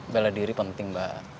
bela diri penting mbak